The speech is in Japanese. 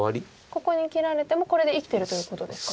ここに切られてもこれで生きてるということですか？